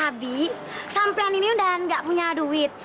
aby sampelan ini udah nggak punya duit